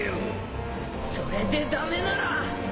それで駄目なら